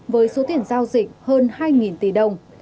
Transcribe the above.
với số tiền giao dịch hơn hai tỷ đồng